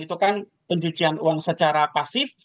itu kan pencucian uang secara pasif